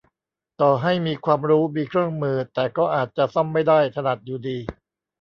ต่อให้มีความรู้ มีเครื่องมือ แต่ก็อาจจะซ่อมไม่ได้ถนัดอยู่ดี